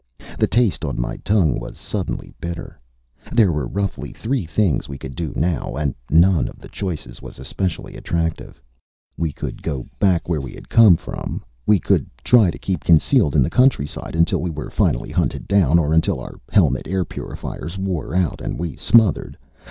The taste on my tongue was suddenly bitter. There were roughly three things we could do now, and none of the choices was especially attractive. We could go back where we had come from. We could try to keep concealed in the countryside, until we were finally hunted down, or until our helmet air purifiers wore out and we smothered.